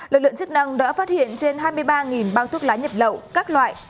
lực lượng chức năng đã phát hiện trên hai mươi ba bao thuốc lá nhập lậu các loại